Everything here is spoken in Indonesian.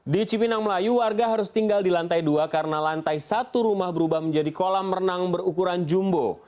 di cipinang melayu warga harus tinggal di lantai dua karena lantai satu rumah berubah menjadi kolam renang berukuran jumbo